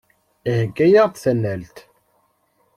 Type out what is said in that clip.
Iheyya-aɣ-d tanalt.